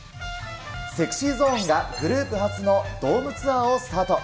ＳｅｘｙＺｏｎｅがグループ初のドームツアーをスタート。